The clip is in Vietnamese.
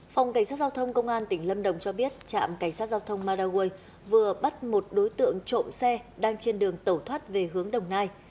phòng cảnh sát giao thông công an tỉnh lâm đồng cho biết trạm cảnh sát giao thông maraway vừa bắt một đối tượng trộm xe đang trên đường tẩu thoát về hướng đồng nai